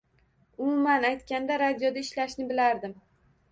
Umuman aytganda, radioda ishlashini bilardim…